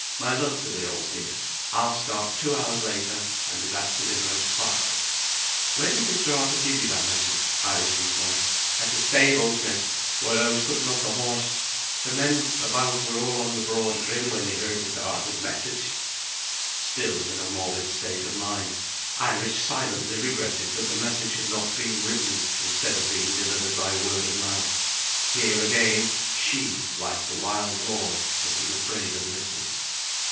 "My love to the old dear I'll start two hours later, and be back to dinner at five." "Where did Mr. Arthur give you that message?" Iris inquired. "At the stables, Miss, while I was putting up the horse. The men about were all on the broad grin when they heard Mr. Arthur's message." Still in a morbid state of mind, Iris silently regretted that the message had not been written, instead of being delivered by word of mouth. Here, again, she (like the wild lord) had been afraid of listeners.